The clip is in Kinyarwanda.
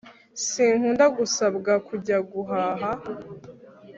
sinkunda gusabwa kujya guhaha